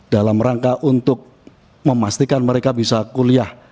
dalam rangka untuk memastikan mereka bisa kuliah